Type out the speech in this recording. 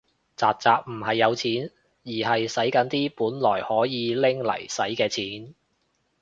宅宅唔係有錢，而係洗緊啲本來唔可以拎嚟洗嘅錢